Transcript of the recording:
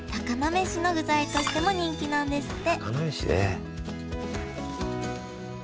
めしの具材としても人気なんですって！